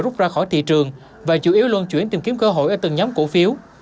rút ra khỏi thị trường và chủ yếu luân chuyển tìm kiếm cơ hội ở từng nhóm cổ phiếu